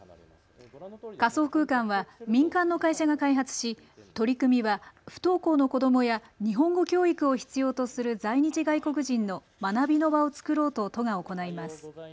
仮想空間は民間の会社が開発し取り組みは不登校の子どもや日本語教育を必要とする在日外国人の学びの場を作ろうと都が行います。